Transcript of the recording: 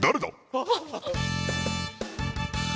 あっ。